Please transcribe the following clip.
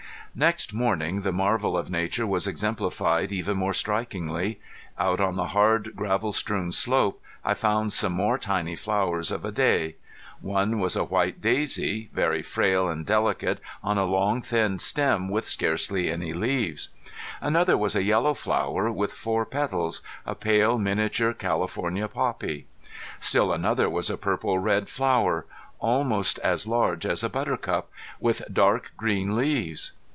Next morning the marvel of nature was exemplified even more strikingly. Out on the hard gravel strewn slope I found some more tiny flowers of a day. One was a white daisy, very frail and delicate on long thin stem with scarcely any leaves. Another was a yellow flower, with four petals, a pale miniature California poppy. Still another was a purple red flower, almost as large as a buttercup, with dark green leaves.